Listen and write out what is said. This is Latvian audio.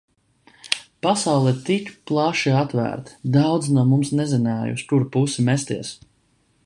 Pasaule ir tik plaši atvērta, daudzi no mums nezināja, uz kuru pusi mesties.